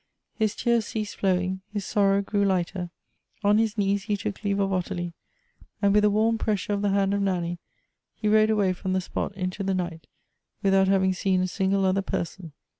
His tears ceased flowing ; his sorrow grew lighter ; on his knees he took leave of Ottilie, and with a warm pressure of the hand of Nanny, he rode away from the spot into the night without having seen a single other person.